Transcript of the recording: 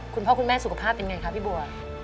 คุณพ่อคุณแม่สุขภาพเป็นไงคะพี่บัว